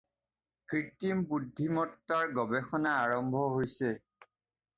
কৃত্ৰিম বুদ্ধিমত্তাৰ গৱেষণা আৰম্ভ হৈছিল।